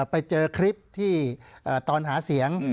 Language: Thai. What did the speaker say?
ไปเจอคลิปที่ตอนหาเสียง